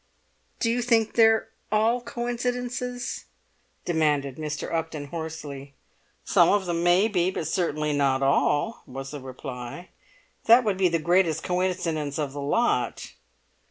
"Do you think they're all coincidences?" demanded Mr. Upton hoarsely. "Some of them may be, but certainly not all," was the reply. "That would be the greatest coincidence of the lot!"